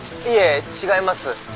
いえ違います。